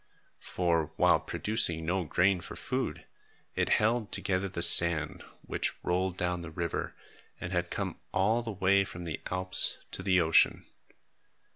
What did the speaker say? For, while producing no grain for food, it held together the sand, which rolled down the river and had come all the way from the Alps to the ocean.